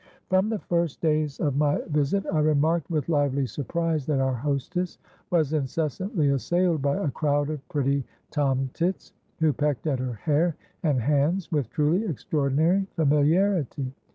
"From the first days of my visit, I remarked with lively surprise that our hostess was incessantly assailed by a crowd of pretty tomtits, who pecked at her hair and hands with truly extraordinary familiarity.